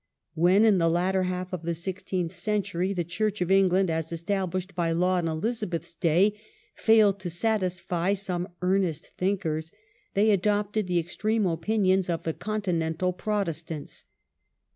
When in the latter half of the sixteenth century the Church . of England, as established by law in Elizabeth's "" *"»s™ day, failed to satisfy some earnest thinkers, they adopted the extreme opinions of the continental JProtestants.